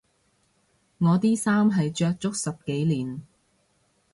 我啲衫係着足十幾年